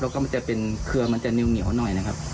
แล้วก็มันจะเป็นเครือมันจะเหนียวหน่อยนะครับ